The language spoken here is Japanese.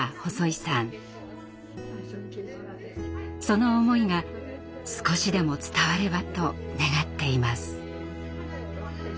その思いが少しでも伝わればと願っています。